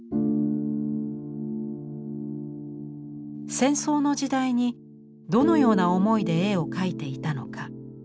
戦争の時代にどのような思いで絵を描いていたのか。